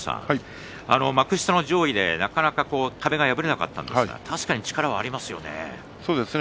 幕下上位で、なかなか壁が破れなかったんですが力ありますよね。